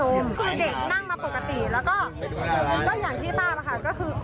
เขามีรถมารับทางเด็กนักเรียนไปเลยเพื่อเยี่ยมชม